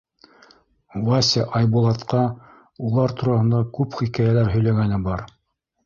Вася Айбулатҡа улар тураһында күп хикәйәләр һөйләгәне бар.